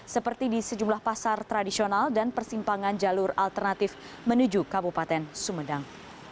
seperti di sejumlah pasar tradisional dan persimpangan jalur alternatif menuju kabupaten sumedang